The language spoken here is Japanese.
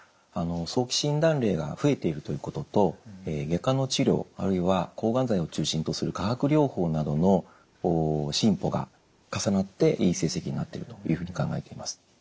早期診断例が増えているということと外科の治療あるいは抗がん剤を中心とする化学療法などの進歩が重なっていい成績になっているというふうに考えています。